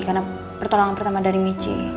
karena pertolongan pertama dari michi